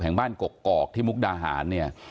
บ้านกกอกที่มุกดาหารเนี่ย